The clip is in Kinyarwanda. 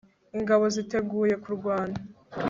ingabo ziteguye kurwana